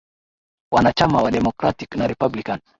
wanachama wa democratic na republican